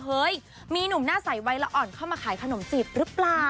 เฮ้ยมีหนุ่มหน้าใสวัยละอ่อนเข้ามาขายขนมจีบหรือเปล่า